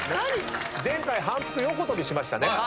前回反復横跳びしましたね。